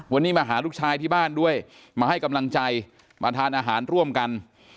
วันนี้มาหาลูกชายที่บ้านด้วยมาให้กำลังใจมาทานอาหารร่วมกัน